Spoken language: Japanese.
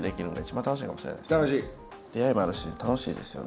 出会いもあるし楽しいですよね。